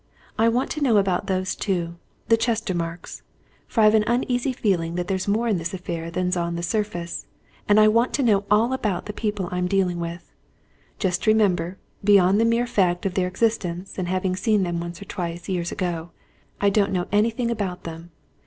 I want to know about those two the Chestermarkes. For I've an uneasy feeling that there's more in this affair than's on the surface, and I want to know all about the people I'm dealing with. Just remember beyond the mere fact of their existence and having seen them once or twice, years ago, I don't know anything about them.